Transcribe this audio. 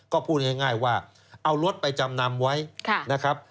ก็พูดง่ายว่าเอารถไปจำนำไว้นะครับ